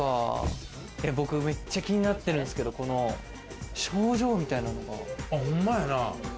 僕めっちゃ気になってるんですけど、この賞状みたいなのが。